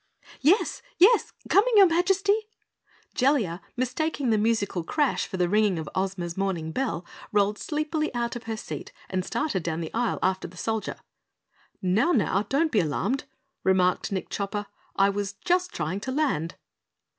"Yes? Yes! Coming, your Majesty!" Jellia, mistaking the musical crash for the ringing of Ozma's morning bell, rolled sleepily out of her seat and started down the aisle after the Soldier. "Now, now don't be alarmed," remarked Nick Chopper. "I was just trying to land."